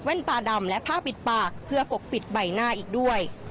ตาดำและผ้าปิดปากเพื่อปกปิดใบหน้าอีกด้วย